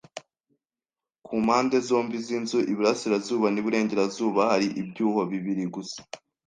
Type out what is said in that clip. Ku mpande zombi z'inzu, iburasirazuba n'iburengerazuba, hari ibyuho bibiri gusa;